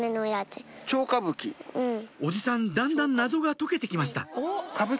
おじさんだんだん謎が解けて来ましたうん。